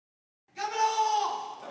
頑張ろう！